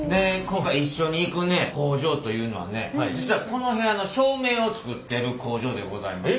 今回一緒に行くね工場というのはね実はこの部屋の照明を作ってる工場でございます。